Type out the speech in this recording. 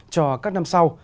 cho các năm sau